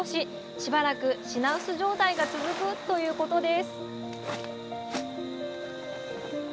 しばらく品薄状態が続くということです